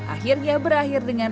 akhirnya berakhir dengan